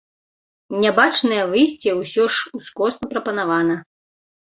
Нябачнае выйсце ўсё ж ускосна прапанавана.